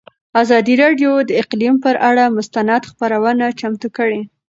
ازادي راډیو د اقلیم پر اړه مستند خپرونه چمتو کړې.